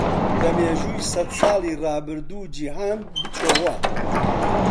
بە میژووی سەدساڵی ڕابردوو جیهاند بچۆوە.